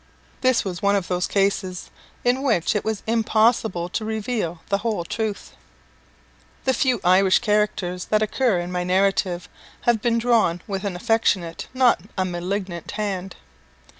This was one of those cases in which it was impossible to reveal the whole truth. The few Irish characters that occur in my narrative have been drawn with an affectionate, not a malignant hand.